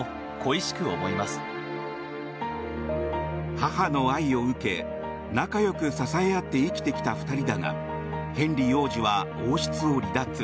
母の愛を受け仲良く支え合って生きてきた２人だがヘンリー王子は王室を離脱。